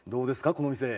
この店。